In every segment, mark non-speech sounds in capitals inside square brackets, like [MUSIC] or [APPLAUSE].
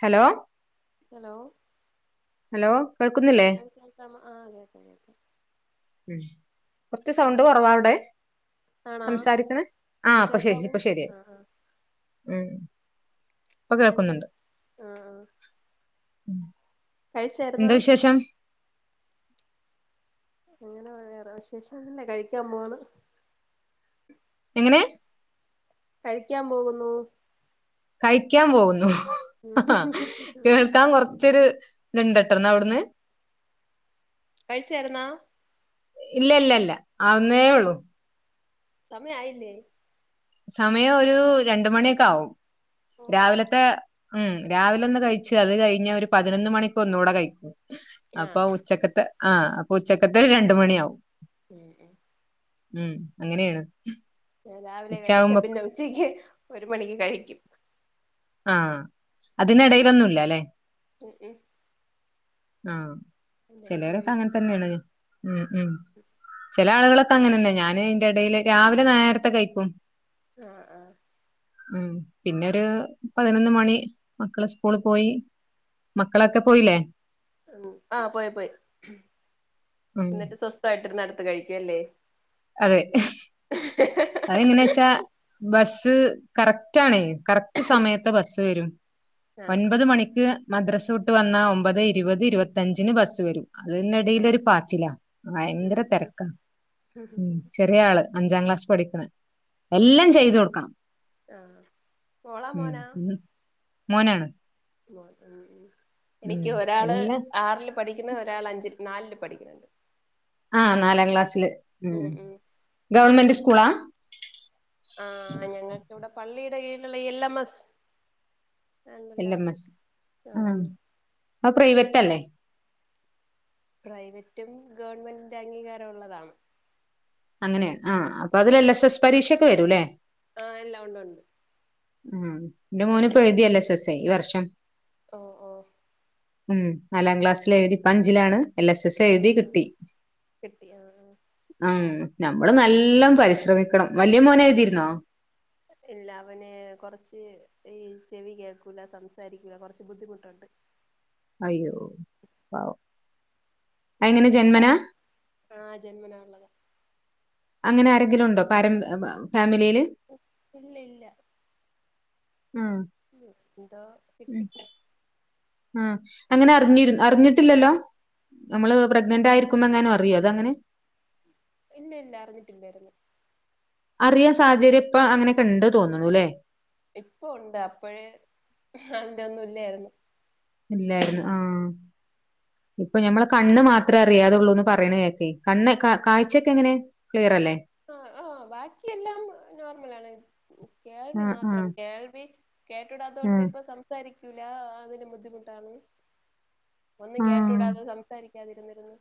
Hello hello hello കേക്കുന്നില്ലേ hello കേൾക്കാമോ ആ അതെ കൊണ്ടാകും ഉ കൊറച്ച് സൗണ്ട് കുറവാ വടെ ആണോ സംസാരിക്കണ ആ ഇപ്പോ ശരി കേക്കാമോ പ്പൊ ശരിആയി ആ ആ ഉം ഇപ്പൊ [UNINTELLIGIBLE] ആ ആ ഉം കഴിച്ചായിര്ന്നോ അങ്ങനെ വേറെ വിശേഷോന്നുല്ല കഴിക്കാൻ പോണ് എങ്ങനെ കഴിക്കാൻ പോകുന്നു കഴിക്കാൻ പോകുന്നു ഹ ഹ കേൾക്കാൻ കോർച്ചൊര് [UNINTELLIGIBLE] അവിട്ന്ന് കഴിചാര്ന്നാ ഇല്ല ഇല്ല ഇല്ല ആവ്ന്നേ ഒള്ളു സമയം ആയില്ലേ സമയം ഒരു രണ്ട് മണിക്കെ ആവും ഓ രാവിലത്തെ ഉം രാവിലെ ഒന്ന് കഴിച്ച് അത് കഴിഞ്ഞാ ഒരു പതിനൊന്ന് മണിക്ക് ഒന്നൂടെ കഴിക്കും ആ അപ്പ ഉച്ചക്കത്തെ ആ അപ്പൊ ഉച്ചക്കത്തെ രണ്ട് മണിയാവും ഉം ഉം ഉം അങ്ങനെയാണ് മ്മ് രാവിലെ കഴിച്ച ഉച്ചയാകുമ്പോ പിന്നെ ഉച്ചയ്ക്ക് ഒരു മണിക്ക് കഴിക്കും ആഹ അതിനിടയിലൊന്നുലല്ലേ ഉം ഉം ആ അതിന്റെടേല് ചെലവരൊക്കെ അങ്ങനെ കഴിക്കും തന്നെയാണ്. ഉം ഉം ചെല ആളുകളൊക്കെ അങ്ങനെന്നെ ഞാന് ഇന്റെടേല്, രാവിലെ നേരത്തെ കഴിക്കും. ആ ആ ഉം പിന്നരു പതിനൊന്ന് മണി, മക്കള് സ്കൂളി പോയി. മക്കളൊക്കെ പോയില്ലേ? ഉം ആ പോയി പോയി, ഉം എന്നിട്ട് സ്വസ്ഥായിട്ടിരുനട്. കഴിക്ക്വല്ലേ. അതെ അതെങ്ങനാച്ചാ ബസ് ത് കറക്റ്റ് ആണെ. കറക്റ്റ് സമയത്ത് ബസ് തരും. ആ ആ ഒൻപത് മണിക്ക് മദ്രസ് വിട്ട് വന്നാ ഒമ്പത് ഇരുപത് ഇരുപത്തഞ്ചിന് ബസ്സ് വരും. ആ അതിന്നെടേലൊരു പാച്ചിലാ, ഭയങ്കര ഉം ഉം തെരക്കാ. ഉം ഓ ചെറിയ ആള് അഞ്ചാം ക്ലാസ് പഠിക്കണ്. എല്ലാം ചെയ്ത് കൊടുക്കണം, ആഹ് മോളാ ഉം മോനാ മോനാണ്. മോനാണ്. ഉം എനിക്ക് ഒരാള് എല്ലാ ആറില് പഠിക് പിന്നെ ഒരാളഞ്ച നാലില് പഠിക്കുന്നുണ്ട്. ആ നാലാം ക്ലാസ്സില് ഉം ഗവൺമെന്റ് സ്കൂളാ? ആ ഞങ്ങക്കിവിടെ പള്ളിട് ടെ കീഴിലൊള്ള എൽ എം എസ്. എൽ ആണല്ലോ എം എസ് ആ ആഹ് അത് പ്രൈവറ്റ് അല്ലേ? പ്രൈവറ്റും ഗവൺമെന്റിന്റെ അംഗീകാരം ഒള്ളതാണ്. അങ്ങനെയാണ് ആ അപ്പൊ അതിൽ എൽ എസ് എസ് പരീക്ഷക്കെ വരൂല്ലേ? ആഹ് എല്ലാം ഉണ്ട് ഉണ്ട് ആ ന്റെ മോനിപ്പെഴുതിയല്ലേ എസ് എസ്സേ ഈ വർഷം. ഓ ഓ ഉം നാലാം ക്ലാസ്സിലെനി ഇപ്പ അഞ്ചിലാണ്. എല്ല സ്സ് ആഹ് എഴുതി ആഹ് കിട്ടി കിട്ടി ആഹ് ആഹ് അം നമ്മള് നല്ലോം പരിശ്രമിക്കണം. വലിയ മോനെഴുതിയിരുന്നോ? ഇല്ല. അവന് കൊറച്ച് ഈ ചെവി കേൾക്കൂല, സംസാരിക്കൂല, കുറച്ച് ബുദ്ധിമുട്ടുണ്ട്. അയ്യോ. പാവം അതെങ്ങനെ എള ജന്മനാ ആഹ് ജന്മനാ ഉള്ളതാ. അങ്ങനെ ആരെങ്കിലും ഉണ്ടോ? പാരമ്പ ഫാമി ഇല്ല ഇല്ല. ആഹ് എന്തോ കിട്ടി... ആഹ് അങ്ങനെ അറിഞ്ഞിരു. അറിഞ്ഞിട്ടില്ലല്ലോ? നമ്മള് പ്രഗ്നന്റ് ആയിരിക്കുമ്പങ്ങാനും അറിയോ അതങ്ങനെ ഇല്ല ഇല്ല അറിഞ്ഞിട്ടില്ലായിരുന്നു. അറിയാ സാഹചര്യം ഇപ്പ അങ്ങനെ ഒക്കെണ്ട് തോന്നണൂല്ലേ ഇപ്പൊ ഉണ്ട്. അപ്പഴേ അതിന്റെ ഒന്നും ഇല്ലായിരുന്നു. ഇല്ലായിരുന്നു. ആഹ് ഇപ്പൊ ഞമ്മള കണ്ണ് മാത്രേ അറിയാതൊള്ളൂന്ന് പറയണ കേക്കെ. കണ്ണ് കാഴ്ചക്കെ എങ്ങനെ? ക്ലിയർ അല്ലേ ആ ആഹ് ബാക്കിയെല്ലാം നോർമലാണ്. കേൾവി ആഹ് മാത്രം ആഹ് കേൾവി കേട്ടുടാത്തോണ്ട് ആഹ് ഇപ്പ സംസാരി ക്കൂലാ... അതിനും ബുദ്ധിമുട്ടാണ്. ഒന്നും ആഹ് കേട്ടുടാന്ന് സംസാരി ക്കാതിരുന്നിരുന്ന്.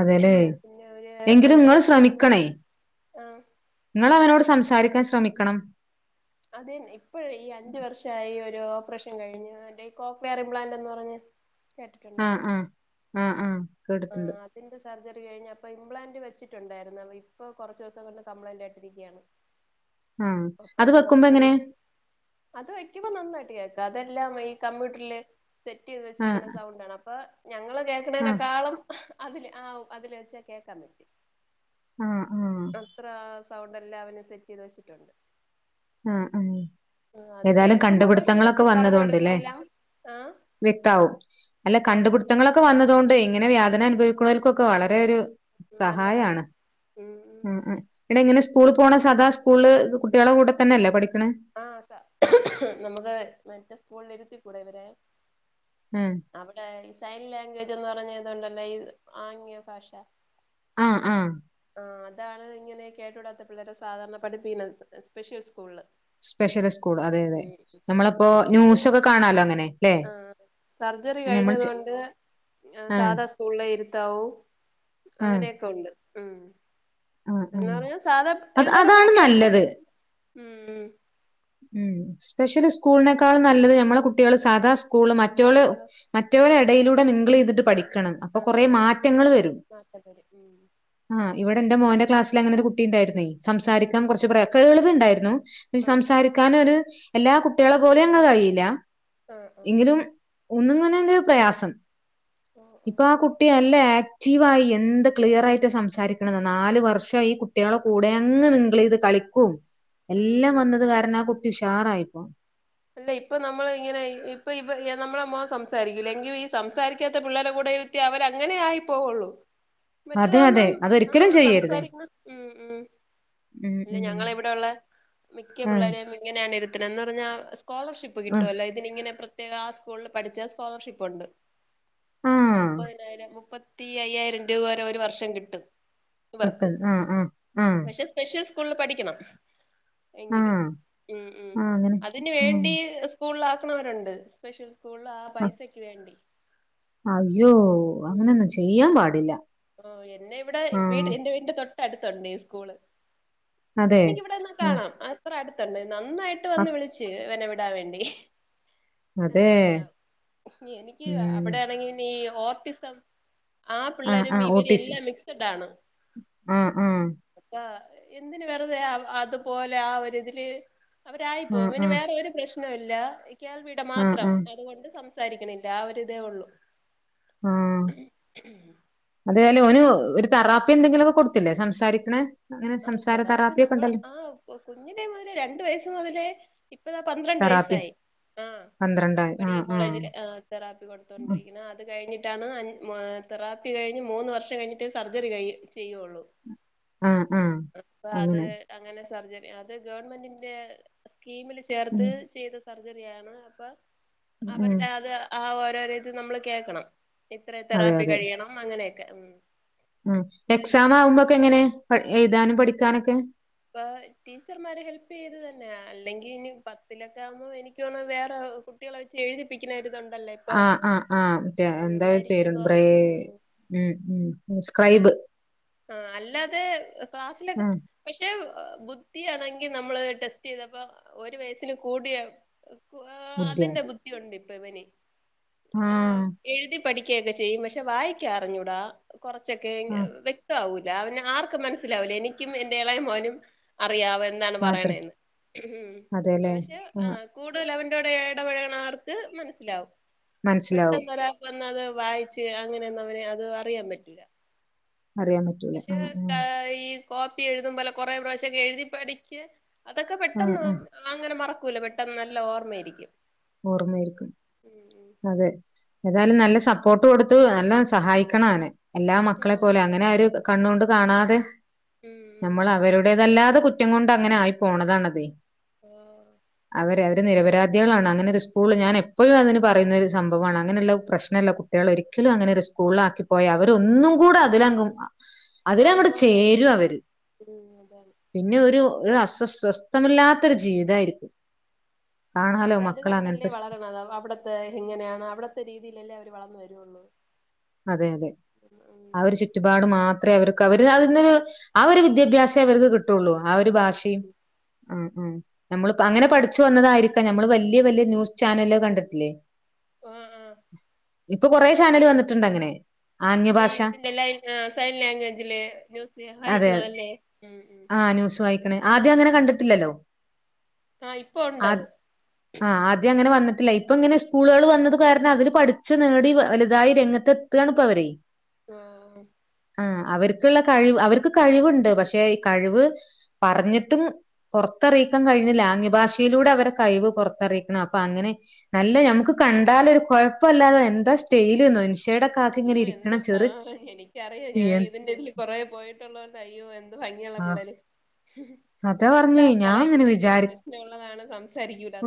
അതേല്ലേ. എങ്കിലും അഞ്ചു നിങ്ങള് ശ്രമി വർഷത്തിന് മുന്നേ ക്കണെ ആ ഇങ്ങള് അവനോട് സം സാരിക്കാൻ ശ്രമിക്കണം. അതെന്ന് ഇപ്പഴി ഈ അഞ്ചു വർഷായി ഒ രോപ്പറേഷൻ കഴിഞ്ഞു ഡെയ് കോക്ലിയർ ഇംമ്പ്ലാന്റ്ന്ന് പറഞ്ഞ ആ ആ ആ ആ ആ അതിന്റെ സർജറി കഴിഞ്ഞപ്പ ഇംപ്ലാന്റ് വെച്ചിട്ടുണ്ടായിരുന്നു. അപ ഇപ്പ കൊറച്ച് ദിവസം കൊണ്ട് കംപ്ലയിന്റ് ആയിട്ടിരിക്കാണ് ആഹ് അപ്പൊ അത് വെക്കുമ്പോ നമുക്ക് ഈ എങ്ങനെ അത് വയ്ക്കുമ്പോ നന്നായിട്ട് കേക്കും തതെല്ലാം ഈ കമ്പ്യൂട്ടറില് സെറ്റ് ചെയ്ത് ആഹ് വെച്ചിരിക്കുന്ന സൗണ്ടാണ് അപ്പ ഞങ്ങൾ കേൾക്ക്ണേ ആഹ് അതില് ആ അതില് വെച്ചാ കേൾക്കാൻ പറ്റി ആഹ് ആഹ് സൗണ്ടെല്ലാം അവന് സെറ്റീത് വെച്ചിട്ടൊണ്ട് ആഹ് ആഹ് ഏതായാലും കേൾക്കുമ്പോ പക്ഷെ കണ്ട്പിട്ത്തങ്ങളൊക്കെ നമ്മള് പറഞ്ഞു വന്നതോണ്ട്ലെ കൊടുക്കുന്നെല്ലാം ആഹ് വെക്താവും അല്ല ആഹ് വെക്ക കണ്ട്പിട്ത്തങ്ങളൊക്കെ വന്നതോണ്ടെയ് ഇങ്ങനെവ്യാധന അനുഭവിക്കുന്നോൽക്കൊക്കെ വളരെ ഒര് നല്ലതാണ് സഹായാണ് ഉം ഉം മ് മ് ഇങ്ങനെ സ്കൂള് പോണ സതാ സ്കൂളില് കുട്ട്യാളെ കൂടെ തന്നെല്ലെ പഠി ആഹ് സ നമ്മക്ക് മറ്റേ സ്കൂളിഇരുത്തി കുടെ ഇവരെ ഉം അവടെ ഇ സൈൻ ലാംഗ്വേജ് എന്ന് പറഞ്ഞതൊണ്ട് അല്ല ഈ ആംഗ്യ ഭാഷ ആഹ് ആഹ് ആഹ് അതാണ് ഇങ്ങനെ കേട്ടൂടാത്തപിള്ളേരെ സാധാരണ പഠിപ്പിക്കുന്ന സ്പെഷ്യൽ സ്കൂൾ സ്പെഷ്യൽ സ്കൂൾ അതെ അതെ. അപ്പ നമ്മളിപ്പോ ഇവർക്ക് ന്യൂസൊക്കെ കാണാലോ അങ്ങനെ ല്ലെ? ആഹ് സർജറി നമ്മൾ കഴിഞ്ഞത് ചെ കൊണ്ട് ആഹ് സാധാ സ്കൂളിലെ ഇര്ത്താവൂ ആഹ് അങ്ങനെക്കെ ഉണ്ട് മ് ആഹ് ആഹ് എന്നാലെ സാധാ അത് എല്ലാരേം പോലെ അതാണ് കേൾക്കാൻ പറ്റും മ് മ് സ്പെഷല് സ്കൂളിനേക്കാളും നല്ലത് ഞമ്മളെ കുട്ട്യാള് സാധാ സ്കൂള് മ മറ്റോള് അതാ മറ്റോല് എ യിലൂടെ മിങ്കിളീത്ട്ട് പഠി ക്കണം ആ അപ്പകൊറേ മാറ്റങ്ങള് വെരും മാറ്റപ്പേര് ഉം ആഹ് വടെ ന്റെ മോന്റെ ക്ലാസിലങ്ങനോര് കുട്ടിണ്ടായിര്ന്നു. സംസാരിക്കാൻ കൊറച്ച് പറയാ കേൾവിണ്ട്. ന്നു ആ സംസാരിക്കാനൊര് എല്ലാ കുട്ടികളെ പോലങ്ങ് കയീല. ആഹ് ആഹ് ഒന്നുങ്ങനണ്ട് പ്രയാസം ഓ ഓ ഇപ്പ ആ കുട്ടി നല്ല ആ റ്റീവായി എന്ത് ക്ലിയറായ്റ്റാ സംസാരിക്കണേനൊ നാല് വർഷം ഈ കുട്ട്യാളെ കൂടെ അങ്ങ് മിങ്ക്ലായി കളിക്കും ഉം എല്ലാം ഉം വന്നത് ആ കുട്ടി ഉഷാറായിപ്പോ അല്ല ഇപ്പ നമ്മള് ഇങ്ങനെ ഇപ്പ നമ്മളെ മോൻ സംസാരിക്കൂല്ല. എങ്കിലും ഈ സംസാരിക്കാത്ത പിള്ളേര്ടെ കൂടെ ഇര്ത്തി അവരങ്ങനെ ആയി പോവുള്ളൂ. അതെ അതെ മറ്റേതാകുമ്പം അതൊരിക്കലും ആഹ് ചെയ്യരുത്. സംസാരിക്കണം മ് മ് ഉം പിന്നെ ഉം ഞങ്ങളെവിടെള്ളെ മിക്ക ആഹ് പിള്ളേരേം ഇങ്ങനെയാണ് [UNINTELLIGIBLE] പറഞ്ഞാ സ്കോളർഷിപ്പ് ആഹ് കിട്ടോലോ ഇതിനിങ്ങനെ പ് ആ സ്കൂള്ൾ പഠിച്ചാ സ്കോളർഷിപ്പ് ഒണ്ട് ആഹ് മുപ്പതിനായിരം മുപ്പത് അയ്യായ്രം രൂപ വരെ ഒരു വർഷം കിട്ടും. ക് ഇവർക്ക് ട്ടൽ അ അ ആ [UNINTELLIGIBLE] സ്കൂള്ൾ പഠിക്കെണം. എങ്കില് മ് മ് ആഹ് അങ്ങനെ അതിന്ന് വേൺ ഉം ഇല്ല സ്കൂളൾളാക്ക്ണവരുണ്ട് സ്പെഷ്യൽ സ്കൂൾളാ ആ പൈസെക്ക് വേണ്ടി അയ്യോ ഉം അങ്ങനൊന്നും ചെയ്യാം പാടില്ല ഓ എന്നെ ഇവ്ടെ ആ വീട്ട്ല് എന്റെ വീട്ൻ്ററ്റ തൊട്ടടുത്തുണ്ടേ ഈ സ്കൂള് അതെ എനിക്കിവിടെന്നാ ഉം കാണാം അത്ര അടുത്ത് തന്നെ നന്നായിട്ട് അ വന്ന് വിളിച്ച് വനെവട് വേണ്ടി ആ അതെ അതേയോ എനിക്ക് ഉം അവിടെയാണെങ്കി എന്ത്എയ്യും ഓർട്ടിസം ആ പിള്ളേരും ആ മിക്തി ഓട്ടിസ് എല്ലാം മിക്സ്ഡാണ് ആ ആ [UNINTELLIGIBLE] എന്തിന് വെറുതെ [UNINTELLIGIBLE] അത്പോലെ ആ ഒര് ത് ല് അവരായിപ്പോ ആ വന് ആ വേറ ഒര് പ്രശ് നൊ ല്ലാ [UNINTELLIGIBLE] കേൾവിട ആ മാത്രം ആ അതു കൊണ്ട് സംസ് സാരിക്ക്ണില്ല ആ ഒരിതേ ഒള്ളൂ ആ അതേലും ഉം. ഓന് ഒര് ത്താ റാപ്പി എന്തെങ്കിലു ഒക്കെ കൊടുത്തില്ലേ സംസാരിക്ക്ണെ ആ തറാപ്പി ന്നമ്മള ആ കു കുഞ്ഞിലെ മുതലേ രണ്ട് വയസ്സ് മുതലേ ഇപ്പതാ പന്ത്രണ്ട് തെറാപ്പി വയസ്സായി ആഹ് പന്ത്രണ്ടായി ആ മെഡിക്ക ആ കോളേജില് ആഹ് തറാപ്പി ഉം, കൊടുത്തോണ്ടിരിക്കണ് അത് കഴിഞ്ഞിട് ആയിട്ടാണ് അഞ്ച് തെറാപ്പി കഴിഞ്ഞ് മൂന്ന് വർഷം കഴിഞ്ഞിട്ടെ സർജറി ചെയ്യൊള്ളു ആ ആ അപ്പോ അത് അങ്ങനെ അങ്ങനെ സർജറി അത് ഗവൺമെന്റിന്റെ സ്കീമിൽ ചേർത്ത് ഉം ചെയ്ത സർജറിയാണ് അപ്പൊ ഉം അവരുടെ അത് ആ കേറിയത് നമ്മള് കേക്കണം ഇത്ര അതെ തെറാപ്പി അതെ കഴിയണം അങ്ങനെ ക്കെ ഉം ഉം എക്സാം ആവുമ്പോക്കെ എങ്ങനെ പ എഴുതാനും പഠിക്കാനൊക്കെ അപ്പ ടീച്ചർമാരെ ഹെല്പ് ചെയ്ത് തന്നെയ അല്ലെങ്കി ഇനി പത്തിലൊക്കെ ആകുമ്പോ എനിക്കൊന്ന് വേറെ കുട്ടികളെ വെച്ച് എഴുതിപ്പിക്കണരുതോ ആഹ് ആഹ് ആ ഹ്മറ്റേ എന്തായ ആയിരിക്കും പേരുണ്ട് ബ്ര തോന്നുന്നു ഉം ഉം ഉം സ്ക്രൈബ് ആഹ് അല്ലാതെ ക്ലാസ്സിലൊക്കെ ആഹ് പക്ഷെ ബുദ്ധി ആണെങ്കി നമ്മള് ടെസ്റ്റ് ചെയ്തപ്പ ഒരു വയസിന് കൂടിയ കൂ ബുദ്ധിയാണ് അതിന്റെ ബുദ്ധിയുണ്ട് ഇപ് പവന് ആഹ് പഠിക്കുകയൊക്കെ ചെയ്യും പക്ഷെ വായിക്കാ അറിഞ്ഞൂടാ കുറച്ചൊക്കെ ഇ ആഹ് വെ ആവുല അവന് ആർക്കും മനസിലാവൂല എനിക്കും എൻ്റെ ഇളയ മോനും പറിയാവും എന്താണെ മാത്രേ പറയുണേന്ന് അതെല്ലേ പക്ഷെ ആഹ് കൂടുതലവൻ ടെ ഇടപഴകണവർക്ക് മനസ്സിലാവും മനസ്സിലാവും പെട്ടെന്ന് ഒരാൾക്ക് വ നത് വായിച്ച് അങ്ങനെയൊന്നും അവന് അത് അറിയാൻ പറ്റില്ല അറിയാൻ പറ്റൂല ആഹ് ആഹ് കോപ്പി എഴുതും പോലെ കൊറെ പ്രാവശ്യം ഒക്കെ എഴുതി പഠിക്കാൻ അതൊക്കെ ആഹ് പെട്ടെന്ന് ആഹ് അങ്ങനെ മറ കുല പെട്ടന്ന് നല്ല ഓർമ്മയിരിക്കും ഓർമ്മയിരിക്കും ഉം അതെ ഏതായാലും നല്ല സപ്പോർട്ട് കൊടുത്ത് നല്ല സഹായിക്കണം അവനെ എല്ലാ ഉം ആ, മക്കളെ പോലെ അങ്ങനെ ഒരു കണ്ണുകൊണ്ട് കാണാതെ ഉം ഉം നമ്മൾ അവരുടേതല്ലാതെ കുറ്റം കൊണ്ട് അങ്ങനെ ആയി പോണതാണത് ആ നിരപരാധിളാണ് അങ്ങനെ ഒരു സ്കൂൾ ഞാൻ എപ്പഴും അതിന് പറയുന്നൊരു സംഭവാണ് അങ്ങനെയുള്ള പ്രശ്നുള്ള കുട്ടികൾ ഒരിക്കലും അങ്ങനെ ഒരു സ്കൂൾ ആക്കിപ്പോയ അവരൊന്നും കൂടെ ഉം. അതിലങ്ങും അതിലങ്ങോട്ട് ആയിപ്പോവേ ഉള്ളൂ ചേരും അവര് ഉം അതാണ് പിന്നെ ഒരു ഒരു അസ്വസ്വസ്ഥമില്ലാത്തരു ജീവിതായിരിക്കും കാണാലോ അവരത് മക്കൾ കണ്ടല്ലേ അങ്ങനത്തെ വളരണത് അവടെ ത്തേ എങ്ങനെയാണ് അവിടത്തെ രീതിയിലല്ലേ അവര് വളർന്നു വരൂഒള്ളൂ അതെ അതെ ആ ഒരു ചുറ്റുപാട് മാത്രേ അവർ കവര് അതിന് ആ ഒരു വിദ്യാഭ്യാസം ഇവർക്ക് കി ട്ടൊള്ളൂ ആ ഒരു എടുത്തോളൂ ഭാഷയും ആ ഉം നമ്മളിപ്പ അങ്ങനെ പഠിച്ചു വന്നതായിരിക്കാം നമ്മള് വല്ല്യ വല്ല്യ ന്യൂസ് ചാനല് കണ്ടിട്ടില്ലേ ആഹ് ആഹ് ഇപ്പൊ കൊറേ ഈ ചാനല് വന്നി ഈ ഇതിന്റെ ലൈക്ന സൈൻ ലഗ്വേജില് ന്യൂസില് വായിക്കണതല്ലേ വായിക്ക്‌ണ് ആദ്യം അങ്ങനെ കണ്ടിട്ടില്ലല്ലോ ആഹ് ഇപ്പൊ ആ ഉണ്ടത് ആ ആദ്യ അങ്ങനെ വന്നി ഇല്ല ഇപ്പ ഇങ്ങനെ സ്കൂളുകള് വന്നത് കാരണം അതില് പഠിച്ച് നേടി വ വലുതായി രംഗ ത എത്താണ് ഇപ്പ അവരെ ആ ആ അവർക്കുള്ള കഴിവ് അവർക്ക് കഴിവുണ്ട് പക്ഷെ ഈ കഴിവ് പറഞ്ഞിട്ടും പുറത്തറിയിക്കാൻ കഴിഞ്ഞില്ല ആംഗ്യ ഭാഷയിലൂടെ അവരെ കഴിവ് പുറത്തറിയിക്കണം അപ്പൊ അങ്ങനെ നല്ലത് ഞമുക്ക് കണ്ടാലൊരു കുഴപ്പല്ലാത എന്താ സ്റ്റൈല് ന്നോ അയ്യോ എന്ത് ആ എനിക്കറിയ ഞാൻ ഇതിന്റെ ഇതില് കൊറേ പോയിട്ടുള്ളോണ്ട് അയ്യോ എന്ത് ഭം ഇനിള്ള പിള്ളേര് അത പറഞ്ഞേ കണ്ടാ ഞാൻ അങ്ങനെ പറയൂല ഇങ്ങനെ വിചാരി പ്രശ്നമുള്ളതാണ്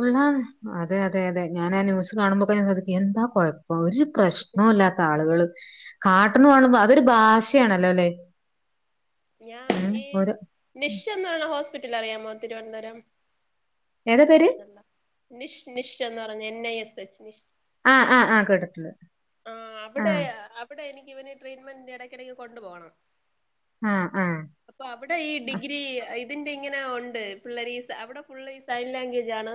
ഉള്ളാ അതെ അതെ അതെ ഞാൻ ആ ന്യൂസ് കാണുമ്പോ ഇപ്പയാണ് അതൊക്കെ എന്താ കുഴ പ്പോ ഒരു പ്രശ്ണോ ഇല്ലാത്ത ആളുകള് കാട്ട്ണ കാണുമ്പോ അതൊരു ഭാഷയാണല്ലോ ല്ലേ ഞാ ഈ നിശ്വന്നുള്ള ഹോസ് പിറ്റൽ അറിയാമോ തിരുവനന്തപുരം ഏതാ പേര് കേട്ടിട്ടുണ്ടോ നിഷ് നിഷ് എന്ന് പറഞ്ഞു എന്ന ഐ എസ് എച്ച് നിഷ് ആ ആ ആ കേട്ടിട്ടുണ്ട് ആഹ് ആ അവിടെ അവിടെ എനിക്ക് ഇവന് ട്രീറ്റ്മെന്റ് ഇടക്കിടക്ക് കൊണ്ടു പോണം ആ ആ അപ്പൊ അവിടെ ഈ ആ ഡിഗ്രി ഐ ഇതിന്റെ ഇങ്ങനെ ഉണ്ട് പിള്ളരീസ് അവിടെ ഫുള്ള് സൈൻ ലാംഗ്വേജ് ആണ്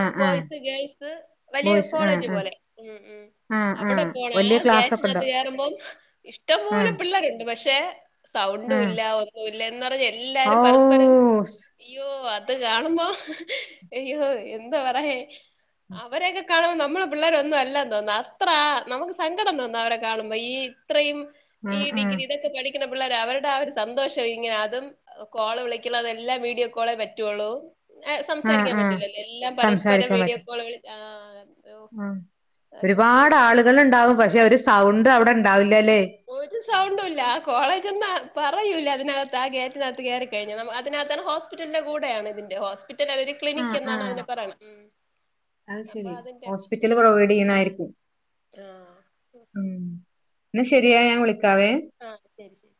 ആ ബോയ്സ് ഗേൾസ് വലിയ ബോയ്സ് ആ കോളേജ് ആ പോലെ. മ് മ് ആ ആ അവിടെ പോണ വലിയ ക്ലാസ് ഒക്കെ ഉണ്ടോ ഗേറ്റിനകത്ത് കെറുമ്പോം ആ ഇഷ്ടംപോലെ പിള്ളേരുണ്ട്. പക്ഷെ ട്ടേ സൗണ്ടും ആ ഇല്ല ഒന്നും [UNINTELLIGIBLE] ഓ എല്ലാരും പരസ്പരം സ്. ഇയ്യോ അത് കാണുമ്പോ അയ്യോ എന്താ പറയേ അവരെയൊക്കെ കാണുമ്പോ നമ്മള് പിള്ളേരൊന്നും അല്ല. തോന്ന അത്ര നമുക്ക് സങ്കടം തോന്നാ. അവരെ കാണുമ്പോ ഈ ഇത്രയും ആ ഈ ആ ഡിഗ്രി ടെ പഠിക്ക കണപിള്ളേര് അവരുടെ ആ ഒരു സന്തോഷം ഇങ്ങനെ അതും കോള് വിളിക്കണം എല്ലാം വീഡിയോ കോളേ പറ്റുവോള്ളൂ ആ സംസാരിക്കാൻ ആ പറ്റൂലല്ലോ എല്ലാം പരസ്പരം സംസാരിക്കാൻ വീഡിയോ പറ്റും കോളുകളിൽ ആഹ് ആ ഒരുപാട് ആളുകൾ ഉണ്ടാവും പക്ഷെ ഒരു സൗണ്ട് അവിടെ ഉണ്ടാവി ഒരു സൗണ്ടുംല്ല കോളേജ ജന്ന് പറയൂല്ല അതിനത്ത് ആ ഗറ്റിനത്ത് കെറിക്കഴിഞ്ഞനമ്മ അതിനത്തണ് ഹോസ്പിറ്റലിന്റെ കൂടെയാണ് ഇതിന്റെ ഹോസ് പിറ്റൽ ര് ആ ക്ലിനിക് എന്നാണ് ആ അതിനെ പറയണ് ഉം അത് അപ്പൊ ശരി അതിന്റെ ഹോസ്പിറ്റല് ഉം പ്രൊവൈഡ് ചെയ്യണായിരിക്കും ആ മ് എന്ന ശരിയാ ഞാൻ വിള ആ ശരി ശരി